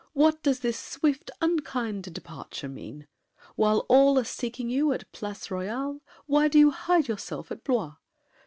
What does this swift, unkind departure mean? While all are seeking you at Place Royale, Why do you hide yourself at Blois?